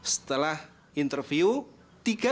setelah lima peserta